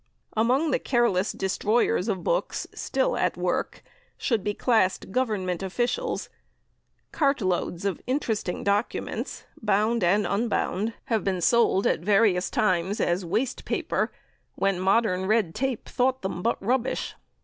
Among the careless destroyers of books still at work should be classed Government officials. Cart loads of interesting documents, bound and unbound, have been sold at various times as waste paper, when modern red tape thought them but rubbish.